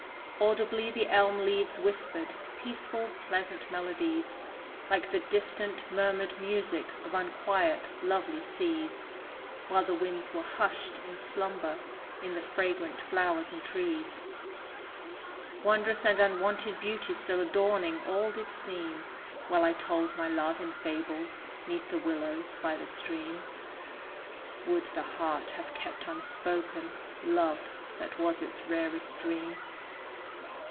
Audibly the elm leaves whispered Peaceful, pleasant melodies, Like the distant murmured music Of unquiet, lovely seas: While the winds were hushed in slumber In the fragrant flowers and trees. Wondrous and unwonted beauty Still adorning all did seem, While I told my love in fables 'Neath the willows by the stream; Would the heart have kept unspoken Love that was its rarest dream!